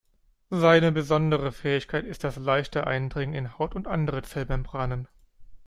Seine besondere Fähigkeit ist das leichte Eindringen in Haut und andere Zellmembranen.